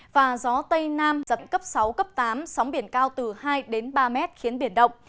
và gió tây nam giật cấp sáu cấp tám sóng biển cao từ hai ba mét khiến biển động